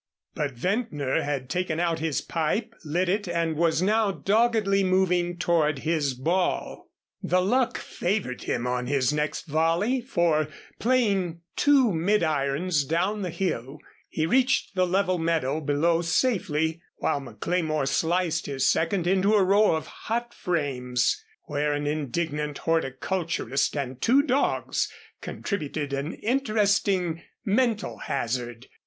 But Ventnor had taken out his pipe, lit it and was now doggedly moving toward his ball. The luck favored him on his next volley, for playing two mid irons down the hill, he reached the level meadow below safely, while McLemore sliced his second into a row of hot frames, where an indignant horticulturist and two dogs contributed an interesting mental hazard.